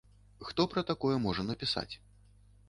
Хто пра такое можа напісаць?